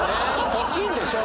欲しいんでしょ？